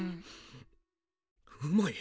うまい。